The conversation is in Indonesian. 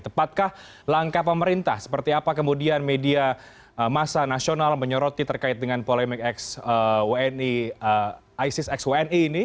tepatkah langkah pemerintah seperti apa kemudian media masa nasional menyoroti terkait dengan polemik isis x wni ini